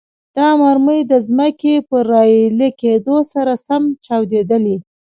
دا مرمۍ د ځمکې پر راایلې کېدو سره سم چاودیدلې.